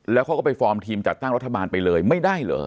แล้วเขาก็ไปฟอร์มทีมจัดตั้งรัฐบาลไปเลยไม่ได้เหรอ